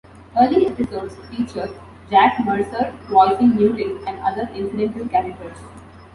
Early episodes feature Jack Mercer voicing Newton and other incidental characters.